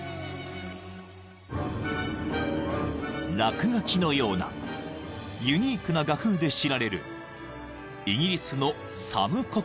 ［落書きのようなユニークな画風で知られるイギリスのサム・コックスさん］